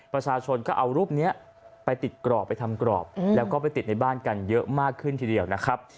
ประชาชนก็เอารูปนี้ไปติดกรอบไปทำกรอบแล้วก็ไปติดในบ้านกันเยอะมากขึ้นทีเดียวนะครับ